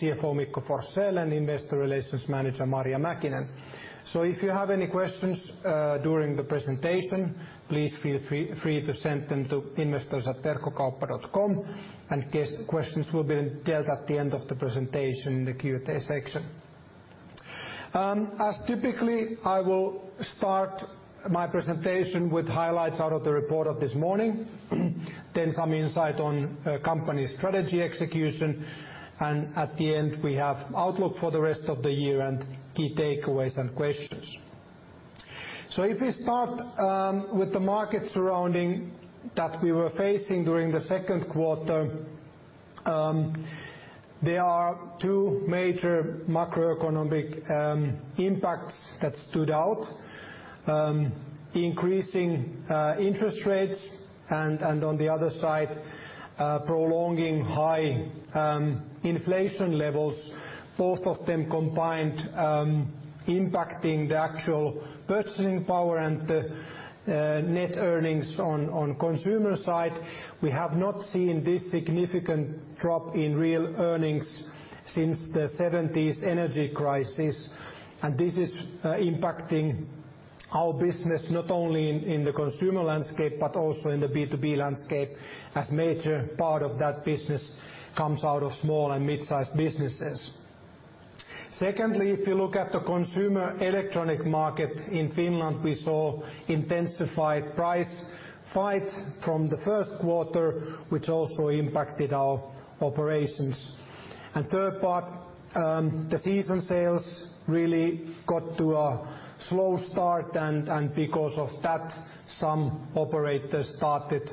CFO Mikko Forssell and Investor Relations Manager Marja Mäkinen. If you have any questions, during the presentation, please feel free to send them to investors@verkkokauppa.com, and questions will be dealt at the end of the presentation in the Q&A section. As typically, I will start my presentation with highlights out of the report of this morning. Some insight on company strategy execution, and at the end, we have outlook for the rest of the year and key takeaways and questions. If we start with the market surrounding that we were facing during the second quarter, there are two major macroeconomic impacts that stood out. Increasing interest rates, and on the other side, prolonging high inflation levels, both of them combined, impacting the actual purchasing power and net earnings on consumer side. We have not seen this significant drop in real earnings since the 1970s energy crisis, and this is impacting our business, not only in the consumer landscape, but also in the B2B landscape, as major part of that business comes out of small and mid-sized businesses. Secondly, if you look at the consumer electronic market in Finland, we saw intensified price fight from the first quarter, which also impacted our operations. Third part, the season sales really got to a slow start, and because of that, some operators started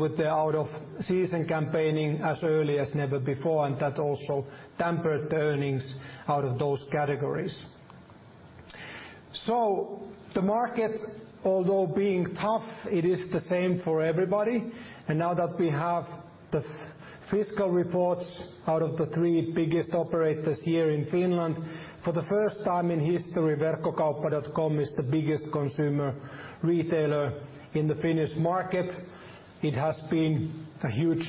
with the out-of-season campaigning as early as never before, and that also tampered the earnings out of those categories. The market, although being tough, it is the same for everybody. Now that we have the fiscal reports out of the three biggest operators here in Finland, for the first time in history, Verkkokauppa.com is the biggest consumer retailer in the Finnish market. It has been a huge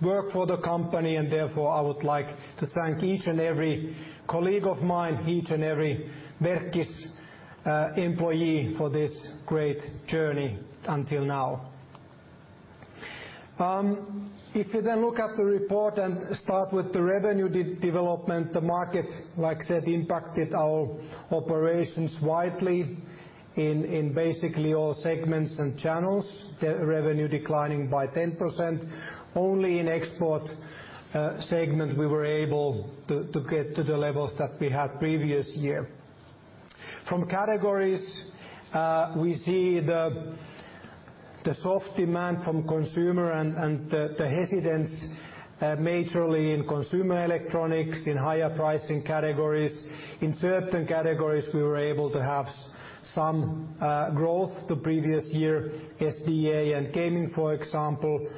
work for the company, and therefore, I would like to thank each and every colleague of mine, each and every Verkkis employee for this great journey until now. If you look at the report and start with the revenue development, the market, like I said, impacted our operations widely in basically all segments and channels, the revenue declining by 10%. Only in export segment we were able to get to the levels that we had previous year. From categories, we see the soft demand from consumer and the hesitance majorly in consumer electronics, in higher pricing categories. In certain categories, we were able to have some growth to previous year, SDA and gaming, for example.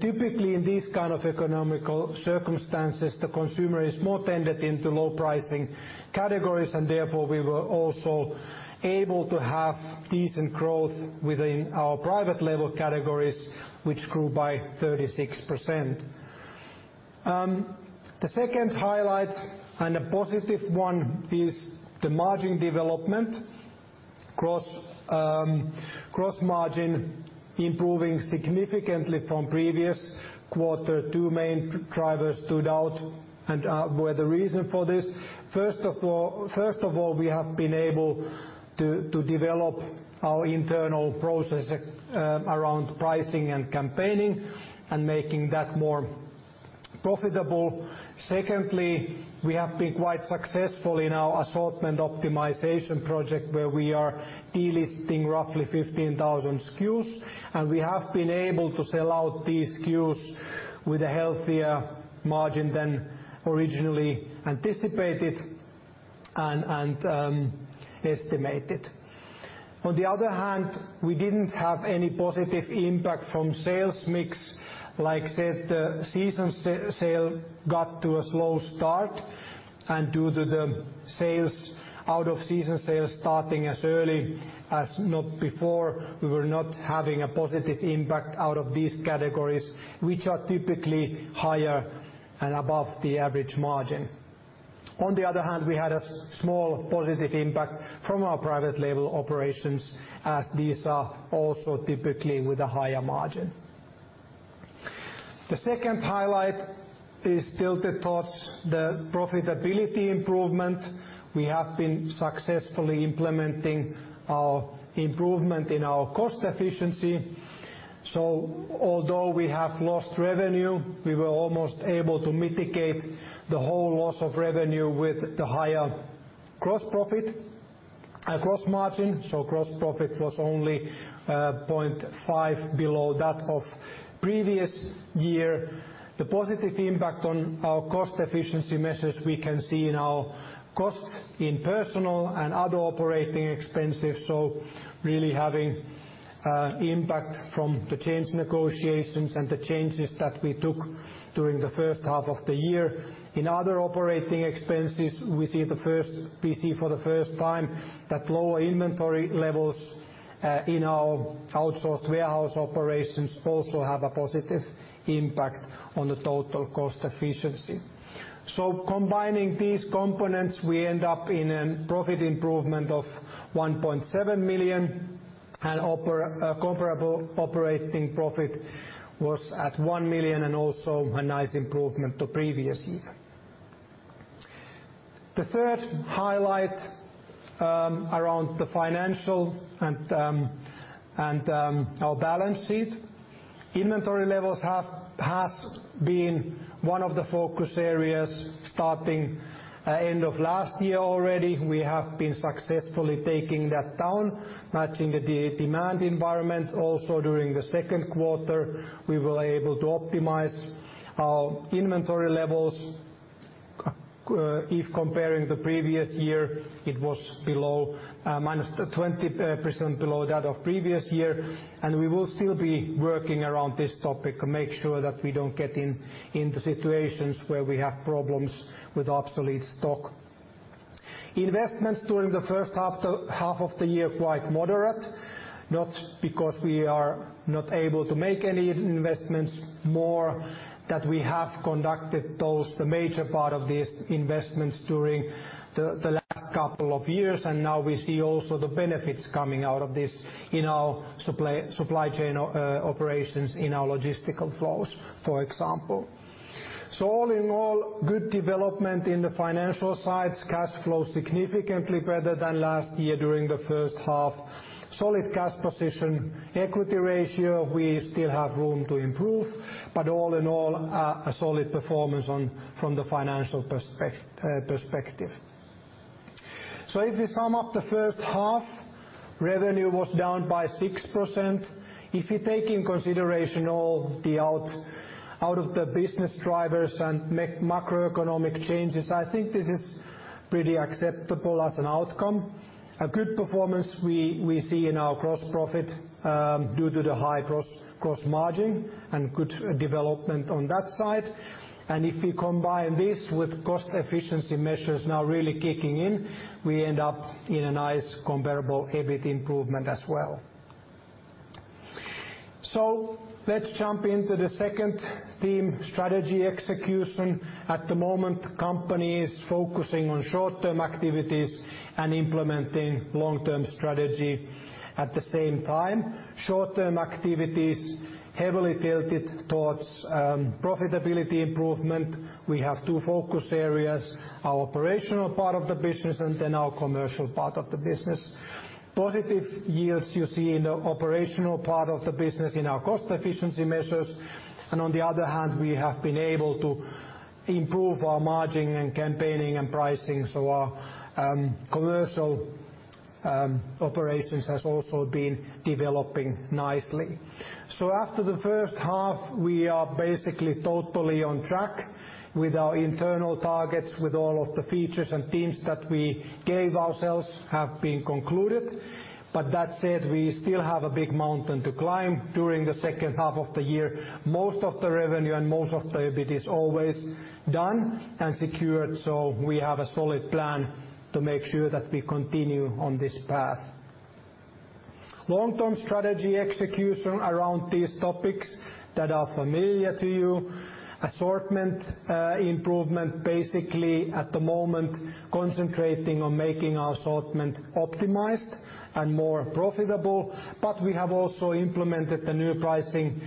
Typically, in these kind of economical circumstances, the consumer is more tended into low pricing categories. Therefore, we were also able to have decent growth within our private label categories, which grew by 36%. The second highlight, and a positive one, is the margin development. Gross margin improving significantly from previous quarter. Two main drivers stood out and were the reason for this. First of all, we have been able to develop our internal process around pricing and campaigning and making that more profitable. We have been quite successful in our assortment optimization project, where we are delisting roughly 15,000 SKUs, and we have been able to sell out these SKUs with a healthier margin than originally anticipated and estimated. We didn't have any positive impact from sales mix. Like I said, the season sale got to a slow start, and due to the sales, out-of-season sales starting as early as not before, we were not having a positive impact out of these categories, which are typically higher and above the average margin. We had a small positive impact from our private label operations, as these are also typically with a higher margin. The second highlight is tilted towards the profitability improvement. We have been successfully implementing our improvement in our cost efficiency. Although we have lost revenue, we were almost able to mitigate the whole loss of revenue with the higher gross profit, gross margin, gross profit was only 0.5 below that of previous year. The positive impact on our cost efficiency measures we can see in our costs in personal and other operating expenses, really having impact from the change negotiations and the changes that we took during the first half of the year. In other operating expenses, we see for the first time that lower inventory levels in our outsourced warehouse operations also have a positive impact on the total cost efficiency. Combining these components, we end up in an profit improvement of 1.7 million, and comparable operating profit was at 1 million, and also a nice improvement to previous year. The third highlight, around the financial and our balance sheet. Inventory levels has been one of the focus areas starting end of last year already. We have been successfully taking that down, matching the demand environment. Also, during the second quarter, we were able to optimize our inventory levels. If comparing the previous year, it was below, minus 20% below that of previous year, and we will still be working around this topic and make sure that we don't get into situations where we have problems with obsolete stock. Investments during the first half, the half of the year, quite moderate. Not because we are not able to make any investments, more that we have conducted those, the major part of these investments during the last couple of years, and now we see also the benefits coming out of this in our supply chain operations, in our logistical flows, for example. All in all, good development in the financial sides, cash flow significantly better than last year during the first half. Solid cash position, equity ratio, we still have room to improve, but all in all, a solid performance from the financial perspective. If we sum up the first half, revenue was down by 6%. If you take in consideration all the out of the business drivers and macroeconomic changes, I think this is pretty acceptable as an outcome. A good performance we see in our gross profit due to the high gross margin and good development on that side. If you combine this with cost efficiency measures now really kicking in, we end up in a nice, comparable EBIT improvement as well. Let's jump into the second theme, strategy execution. At the moment, company is focusing on short-term activities and implementing long-term strategy at the same time. Short-term activities heavily tilted towards profitability improvement. We have two focus areas: our operational part of the business and then our commercial part of the business. Positive yields you see in the operational part of the business, in our cost efficiency measures, and on the other hand, we have been able to improve our margin and campaigning and pricing, so our commercial operations has also been developing nicely. After the first half, we are basically totally on track with our internal targets, with all of the features and themes that we gave ourselves have been concluded. That said, we still have a big mountain to climb during the second half of the year. Most of the revenue and most of the EBIT is always done and secured, so we have a solid plan to make sure that we continue on this path. Long-term strategy execution around these topics that are familiar to you. Assortment improvement, basically, at the moment, concentrating on making our assortment optimized and more profitable, but we have also implemented the new pricing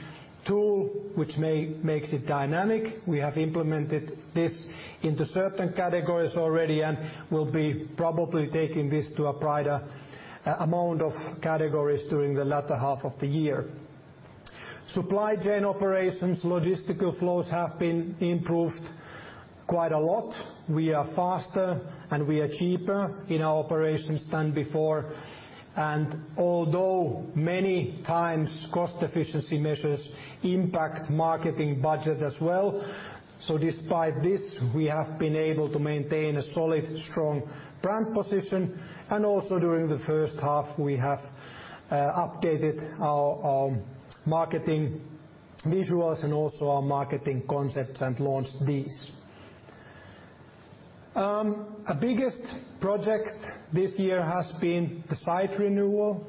tool, which makes it dynamic. We have implemented this into certain categories already and will be probably taking this to a brighter amount of categories during the latter half of the year. Supply chain operations, logistical flows have been improved quite a lot. We are faster, we are cheaper in our operations than before. Although many times cost efficiency measures impact marketing budget as well, despite this, we have been able to maintain a solid, strong brand position. Also, during the first half, we have updated our marketing visuals and also our marketing concepts and launched these. A biggest project this year has been the site renewal,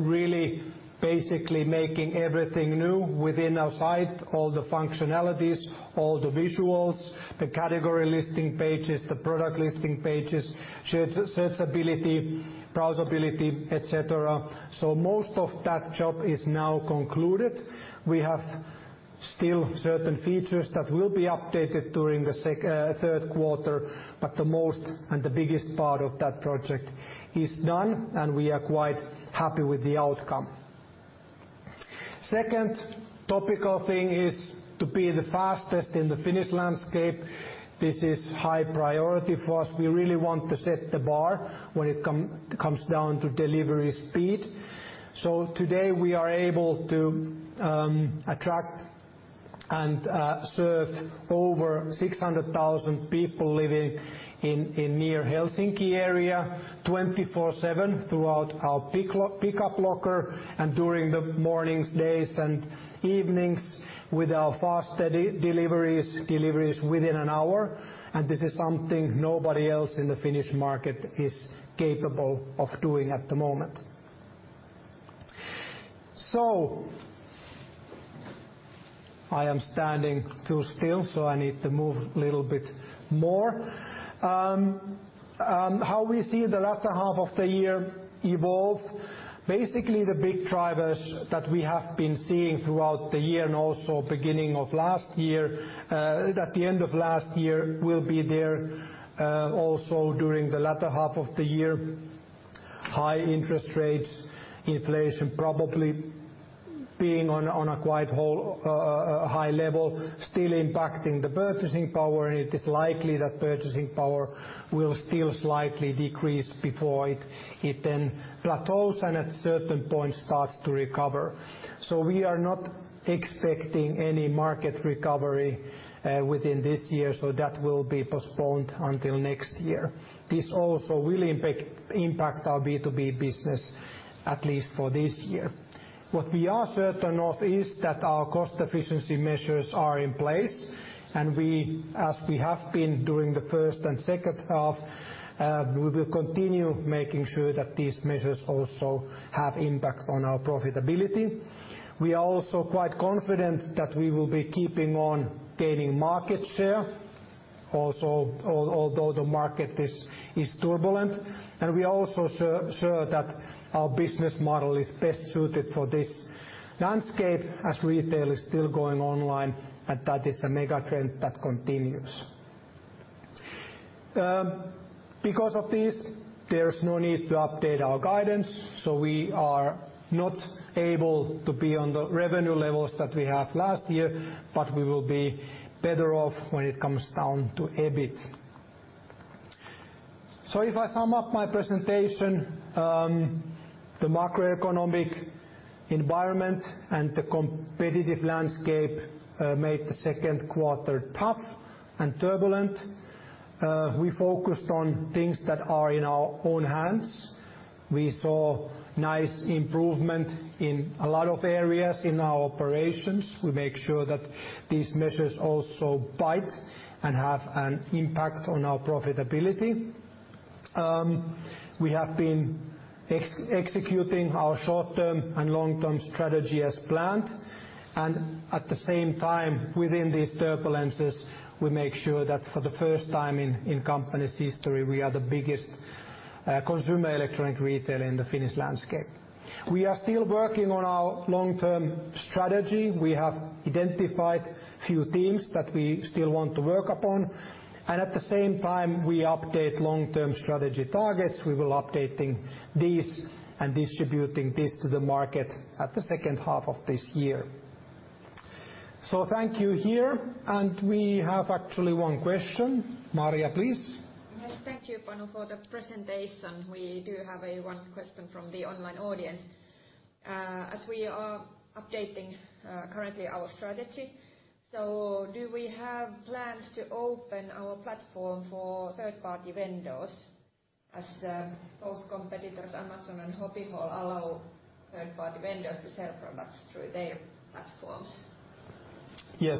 really, basically making everything new within our site, all the functionalities, all the visuals, the category listing pages, the product listing pages, search, searchability, browsability, et cetera. Most of that job is now concluded. We have still certain features that will be updated during the third quarter. The most and the biggest part of that project is done, and we are quite happy with the outcome. Second topical thing is to be the fastest in the Finnish landscape. This is high priority for us. We really want to set the bar when it comes down to delivery speed. Today, we are able to attract and serve over 600,000 people living in near Helsinki area, 24/7 throughout our pickup locker and during the mornings, days, and evenings with our fast deliveries within an hour, and this is something nobody else in the Finnish market is capable of doing at the moment. I am standing too still, so I need to move a little bit more. How we see the latter half of the year evolve. Basically, the big drivers that we have been seeing throughout the year and also beginning of last year, at the end of last year, will be there also during the latter half of the year. High interest rates, inflation probably being on a quite whole high level, still impacting the purchasing power. It is likely that purchasing power will still slightly decrease before it then plateaus and at certain point starts to recover. We are not expecting any market recovery within this year, so that will be postponed until next year. This also will impact our B2B business, at least for this year. What we are certain of is that our cost efficiency measures are in place, and we, as we have been during the first and second half, we will continue making sure that these measures also have impact on our profitability. We are also quite confident that we will be keeping on gaining market share, although the market is turbulent. We are also sure that our business model is best suited for this landscape, as retail is still going online, and that is a mega trend that continues. Because of this, there is no need to update our guidance. We are not able to be on the revenue levels that we have last year. We will be better off when it comes down to EBIT. If I sum up my presentation, the macroeconomic environment and the competitive landscape made the second quarter tough and turbulent. We focused on things that are in our own hands. We saw nice improvement in a lot of areas in our operations. We make sure that these measures also bite and have an impact on our profitability. We have been executing our short-term and long-term strategy as planned, and at the same time, within these turbulences, we make sure that for the first time in company's history, we are the biggest consumer electronic retailer in the Finnish landscape. We are still working on our long-term strategy. We have identified few themes that we still want to work upon, and at the same time, we update long-term strategy targets. We will updating this and distributing this to the market at the second half of this year. Thank you here, and we have actually one question. Marja, please. Yes, thank you, Panu, for the presentation. We do have a one question from the online audience. As we are updating, currently our strategy, do we have plans to open our platform for third-party vendors, as both competitors, Amazon and Hobby Hall, allow third-party vendors to sell products through their platforms? Yes.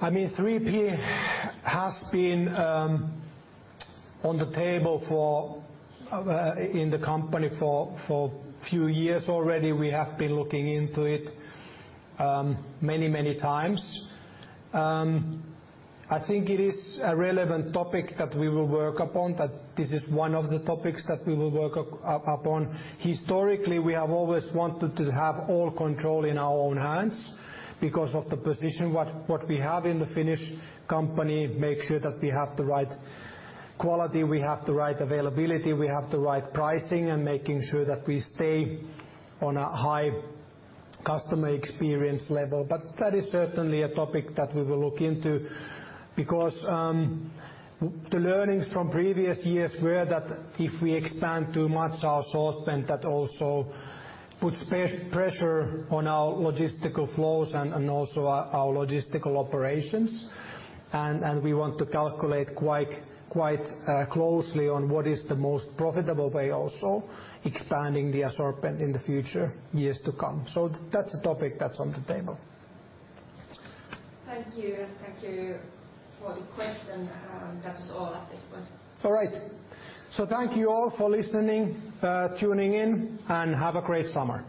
I mean, 3P has been on the table for in the company for few years already. We have been looking into it many times. I think it is a relevant topic that we will work upon, that this is one of the topics that we will work upon. Historically, we have always wanted to have all control in our own hands because of the position what we have in the Finnish company, make sure that we have the right quality, we have the right availability, we have the right pricing, and making sure that we stay on a high customer experience level. That is certainly a topic that we will look into because the learnings from previous years were that if we expand too much our assortment, that also puts pressure on our logistical flows and also our logistical operations. We want to calculate quite closely on what is the most profitable way also, expanding the assortment in the future years to come. That's a topic that's on the table. Thank you. Thank you for the question, and that was all at this point. All right. thank you all for listening, tuning in, and have a great summer.